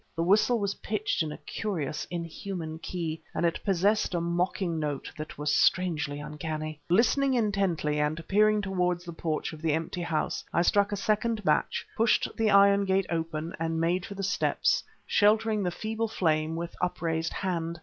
The whistle was pitched in a curious, inhuman key, and it possessed a mocking note that was strangely uncanny. Listening intently and peering towards the porch of the empty house, I struck a second match, pushed the iron gate open and made for the steps, sheltering the feeble flame with upraised hand.